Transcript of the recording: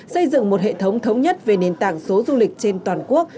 xây dựng một hệ thống thống nhất về nền tảng số du lịch trên toàn quốc